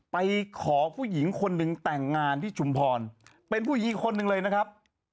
ไปขอผู้หญิงคนหนึ่งแต่งงานที่ชุมพรเป็นผู้หญิงคนหนึ่งเลยนะครับ